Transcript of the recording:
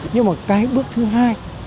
nhưng mà cái bước thứ hai